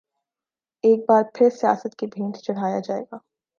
ایک بار پھر سیاست کی بھینٹ چڑھایا جائے گا؟